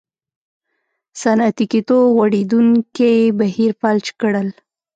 صنعتي کېدو غوړېدونکی بهیر فلج کړل.